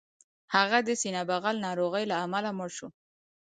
هغه د سینې بغل ناروغۍ له امله مړ شو